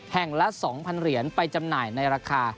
ละ๒๐๐เหรียญไปจำหน่ายในราคา